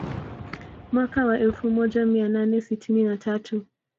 Mwaka wa elfu moja mia nane sitini na tatu